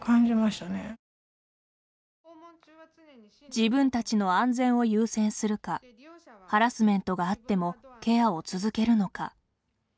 自分たちの安全を優先するかハラスメントがあってもケアを続けるのか。